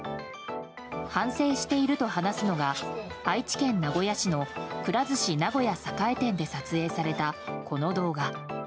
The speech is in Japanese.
反省していると話すのが愛知県名古屋市のくら寿司名古屋栄店で撮影されたこの動画。